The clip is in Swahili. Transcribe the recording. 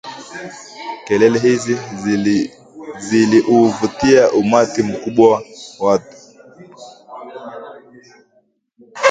Kelele hizi ziliuvutia umati mkubwa watu